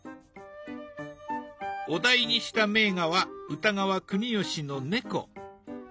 お題にした名画は歌川国芳の「猫」。